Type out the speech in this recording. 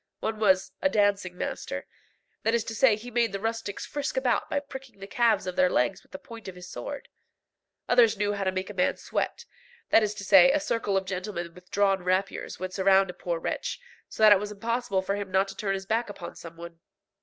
One was "a dancing master;" that is to say he made the rustics frisk about by pricking the calves of their legs with the point of his sword. Others knew how to make a man sweat; that is to say, a circle of gentlemen with drawn rapiers would surround a poor wretch, so that it was impossible for him not to turn his back upon some one.